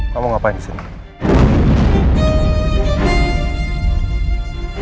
kamu ngapain disini